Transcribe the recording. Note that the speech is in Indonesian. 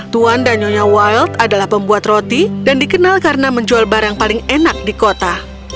tuan dan nyonya wild adalah pembuat roti dan dikenal karena menjual barang paling enak di kota